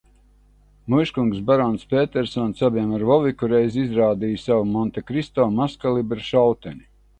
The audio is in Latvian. Muižkungs barons Pētersons abiem ar Voviku reiz izrādīja savu Montekristo mazkalibra šauteni.